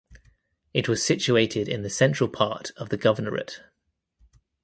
It was situated in the central part of the governorate.